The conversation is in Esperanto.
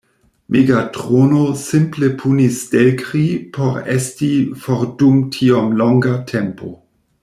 Megatrono simple punis Stelkri por esti for dum tiom longa tempo.